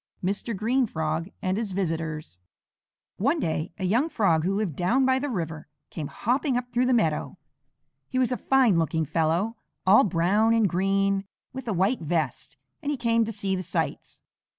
MR GREEN FROG AND HIS VISITORS One day a young Frog who lived down by the river, came hopping up through the meadow. He was a fine looking fellow, all brown and green, with a white vest, and he came to see the sights.